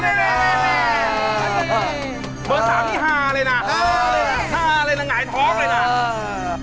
๕เลยนะหงายท้องเลยนะ